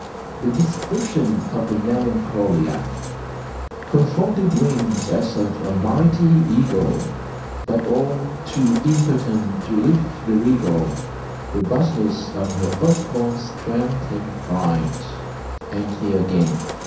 "The description of the Melancolia— "Her folded wings as of a mighty eagle, But all too impotent to lift the regal Robustness of her earth born strength and pride. And here again.